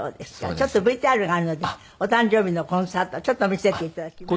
ちょっとＶＴＲがあるのでお誕生日のコンサートちょっと見せて頂きます。